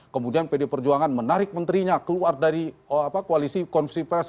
kemudian pd perjuangan menarik menterinya keluar dari koalisi konferensi